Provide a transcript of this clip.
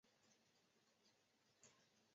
巨盗龙的食性仍然是个谜。